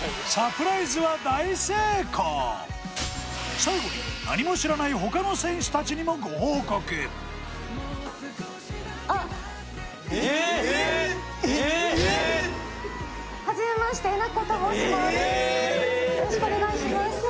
最後に何も知らない他の選手達にもご報告あっよろしくお願いします